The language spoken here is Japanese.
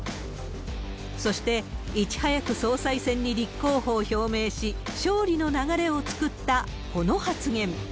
そして、いち早く総裁選に立候補を表明し、勝利の流れを作ったこの発言。